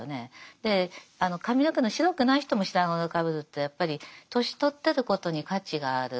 で髪の毛の白くない人も白髪をかぶるとやっぱり年取ってることに価値があるのでね。